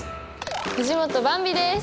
藤本ばんびです。